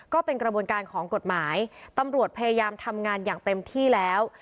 ก็เป็นกระบวนการของกฎหมายตำรวจพยายามทำงานอย่างเต็มที่แล้ว